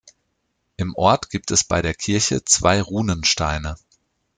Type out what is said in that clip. Im Ort gibt es bei der Kirche zwei Runensteine.